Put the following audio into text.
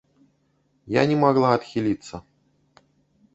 Я не магла адхіліцца.